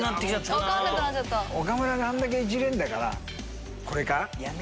岡村があんだけイジれるからこれか？